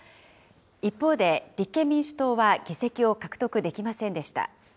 一方で、立憲民主党は議席を獲得できませんでした。